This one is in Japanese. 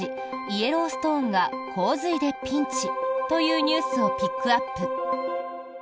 イエローストンが洪水でピンチというニュースをピックアップ。